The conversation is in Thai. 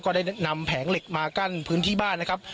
ได้นำแผงเหล็กมากั้นพื้นที่บ้านนะครับ